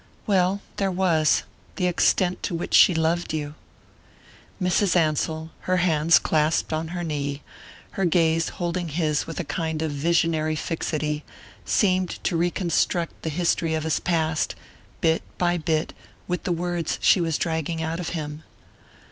"Well there was: the extent to which she loved you." Mrs. Ansell; her hands clasped on her knee, her gaze holding his with a kind of visionary fixity, seemed to reconstruct the history of his past, bit by bit, with the words she was dragging out of him.